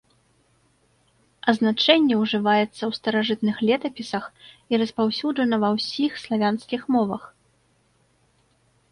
Азначэнне ўжываецца ў старажытных летапісах і распаўсюджана ва ўсіх славянскіх мовах.